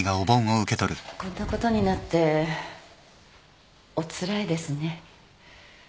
こんなことになっておつらいですね。